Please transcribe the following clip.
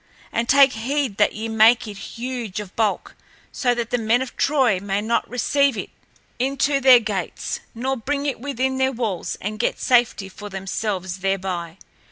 And take heed that ye make it huge of bulk, so that the men of Troy may not receive it into their gates, nor bring it within their walls and get safety for themselves thereby.